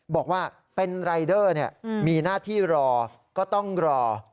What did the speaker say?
บอกว่าเป็นรายเดอร์มีหน้าที่รอก็ต้องรอ